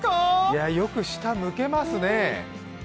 いや、よく下、向けますね。